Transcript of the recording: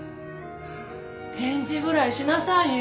返事ぐらいしなさいよ。